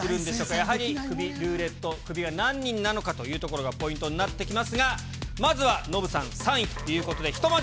やはりクビルーレット、クビが何人なのかということがポイントになってきますが、まずはノブさん、３位ということで、ひとまず、